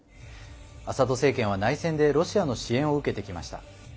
アサド政権は内戦でロシアの支援を受けてきました。